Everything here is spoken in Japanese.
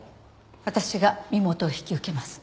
私が身元を引き受けます。